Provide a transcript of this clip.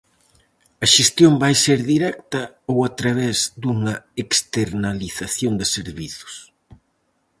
A xestión vai ser directa ou a través dunha externalización de servizos?